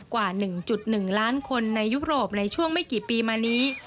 กว่า๑๑ล้านคนในยุโรปในช่วงไม่กี่ปีมานี้